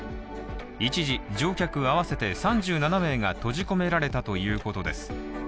一時、乗客合わせて３７名が閉じ込められたということです。